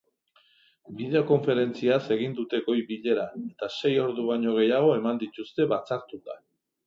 Bideokonferentziaz egin dute goi-bilera, eta sei ordu baino gehiago eman dituzte batzartuta.